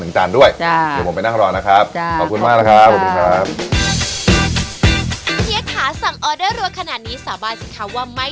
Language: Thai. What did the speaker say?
มึงที่แล้วก็เอาเกี้ยวทอดนึงจานด้วย